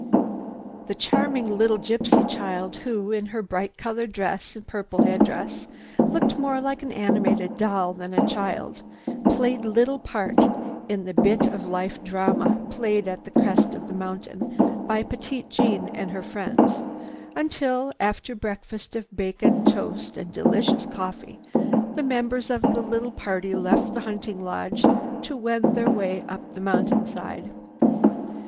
The charming little gypsy child who, in her bright colored dress and purple headdress looked more like an animated doll than a child, played little part in the bit of life drama played at the crest of the mountain by Petite Jeanne and her friends until, after breakfast of bacon, toast and delicious coffee, the members of the party left the hunting lodge to wend their way up the mountainside.